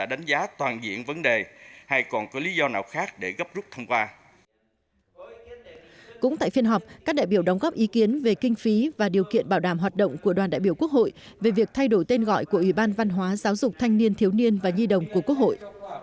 tại phiên thảo luận hội trường vấn đề về kinh phí và điều kiện bảo đảm hoạt động của đoàn đại biểu quốc hội về việc thay đổi tên gọi của ủy ban văn hóa giáo dục thanh niên thiếu niên và nhi đồng của quốc hội